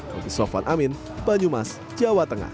roti sofwan amin banyumas jawa tengah